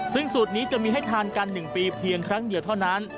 ซึ่งสูตรนี้จะมีให้ทานกัน๑ปีเพียงครั้งเดียวเท่านั้น